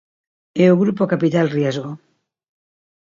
É o grupo Capital Riesgo.